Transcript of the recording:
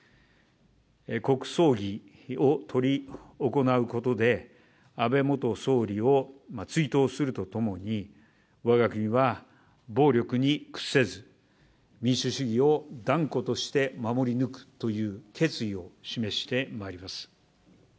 国葬儀を執り行うことで、安倍元総理を追悼するとともに、わが国は暴力に屈せず、民主主義を断固として守り抜くという決意を示してまいります。